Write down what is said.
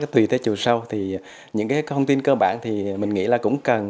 tùy theo chùa sâu những thông tin cơ bản thì mình nghĩ là cũng cần